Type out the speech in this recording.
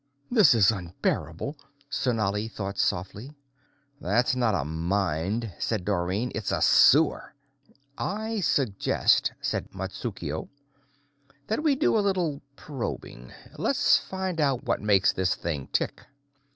"This is unbearable!" Sonali thought softly. "That's not a mind," said Dorrine, "it's a sewer." "I suggest," said Matsukuo, "that we do a little probing. Let's find out what makes this thing tick."